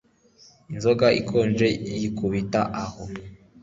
Inzoga ikonje yakubita aho